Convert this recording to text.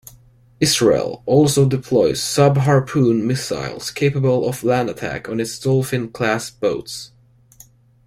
Israel also deploys sub-Harpoon missiles capable of land attack on its Dolphin class boats.